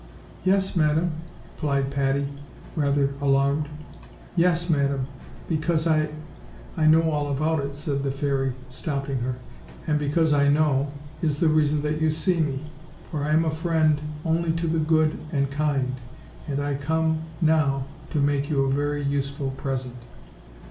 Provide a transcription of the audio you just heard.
"Yes, madam," replied Patty, rather alarmed; "yes, madam, because I " "I know all about it," said the fairy, stopping her; "and because I know, is the reason that you see me; for I am a friend only to the good and kind; and I come now to make you a very useful present."